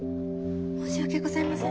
申し訳ございません。